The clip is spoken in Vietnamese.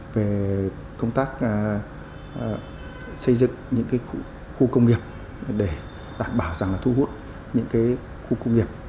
về công tác xây dựng những khu công nghiệp để đảm bảo thu hút những khu công nghiệp